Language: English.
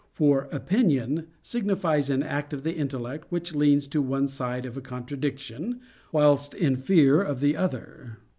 For "opinion" signifies an act of the intellect which leans to one side of a contradiction, whilst in fear of the other.